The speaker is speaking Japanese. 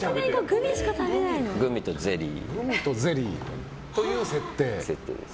グミとゼリー。という設定。